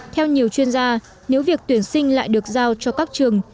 theo nhiều chuyên gia nếu việc tuyển sinh lại được giao cho các trường